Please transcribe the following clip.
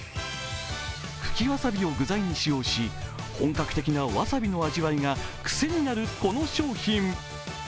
茎わさびを具材に使用し、本格的なわさびの味わいが癖になるこの商品。